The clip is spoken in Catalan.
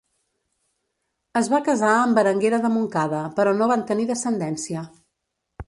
Es va casar amb Berenguera de Montcada però no van tenir descendència.